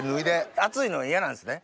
暑いの嫌なんですね。